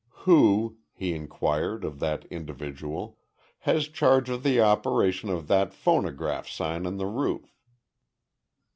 "Who," he inquired of that individual, "has charge of the operation of that phonograph sign on the roof?"